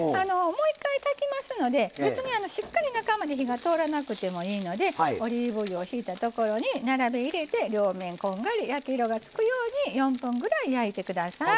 もう一回炊きますので別にしっかり中まで火が通らなくてもいいのでオリーブ油をひいたところに並べ入れて両面こんがり焼き色がつくように４分ぐらい焼いてください。